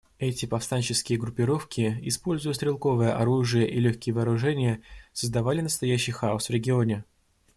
Эти повстанческие группировки, используя стрелковое оружие и легкие вооружения, создавали настоящий хаос в регионе.